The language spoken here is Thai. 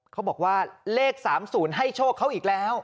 เขาบอกว่าเลข๓๐ให้โชคเขาอีกแล้ว